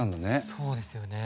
そうですよね。